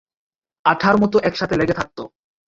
আঠার মতো একসাথে লেগে থাকতো।